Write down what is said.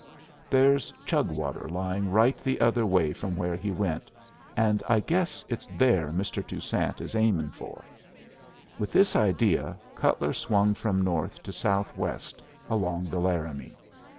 "There's Chug Water lying right the other way from where he went, and I guess it's there Mr. Toussaint is aiming for." With this idea Cutler swung from north to southwest along the Laramie.